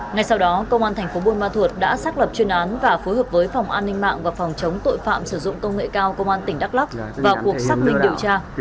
ngay sau đó công an thành phố buôn ma thuột đã xác lập chuyên án và phối hợp với phòng an ninh mạng và phòng chống tội phạm sử dụng công nghệ cao công an tỉnh đắk lắc vào cuộc xác minh điều tra